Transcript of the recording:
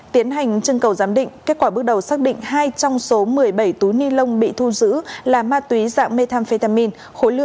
tiến hành chân cầu giám định kết quả bước đầu xác định hai trong số một mươi bảy túi ni lông bị thu giữ là ma túy dạng methamphetamine